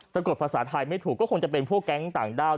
กดภาษาไทยไม่ถูกก็คงจะเป็นพวกแก๊งต่างด้าว